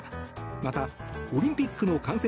またオリンピックの観戦